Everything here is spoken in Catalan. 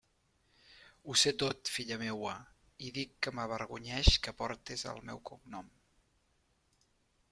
Ho sé tot, filla meua, i dic que m'avergonyeix que portes el meu cognom.